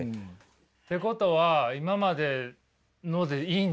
ってことは今までのでいいんだ。